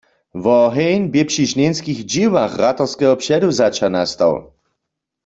Woheń bě při žnjenskich dźěłach ratarskeho předewzaća nastał.